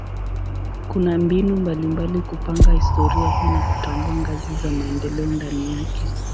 Kuna mbinu mbalimbali kupanga historia hii na kutambua ngazi za maendeleo ndani yake.